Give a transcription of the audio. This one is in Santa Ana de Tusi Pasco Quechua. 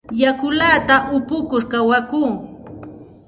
Yakullata upukur kawakuu.